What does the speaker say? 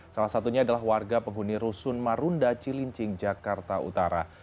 salah satunya adalah warga penghuni rusun marunda cilincing jakarta utara